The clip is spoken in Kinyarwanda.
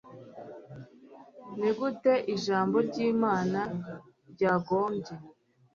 Ni gute Ijambo ry Imana ryagombye